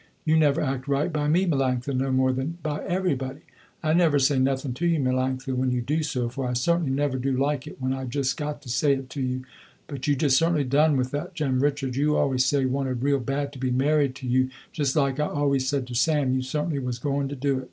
You never act right by me Melanctha no more than by everybody. I never say nothing to you Melanctha when you do so, for I certainly never do like it when I just got to say it to you, but you just certainly done with that Jem Richards you always say wanted real bad to be married to you, just like I always said to Sam you certainly was going to do it.